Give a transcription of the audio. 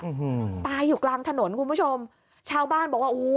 อืมตายอยู่กลางถนนคุณผู้ชมชาวบ้านบอกว่าโอ้โห